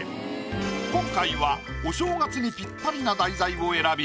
今回はお正月にぴったりな題材を選び